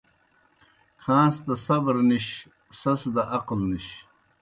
کھاݩس دہ صبر نِش، سیْس دہ عقل نِش